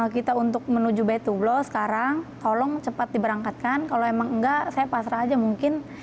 kita untuk menuju bay to glow sekarang tolong cepat diberangkatkan kalau emang enggak saya pasrah aja mungkin